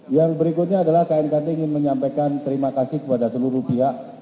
yang berikutnya adalah knkt ingin menyampaikan terima kasih kepada seluruh pihak